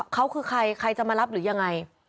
เขาคือใครใครจะมารับหรือยังไง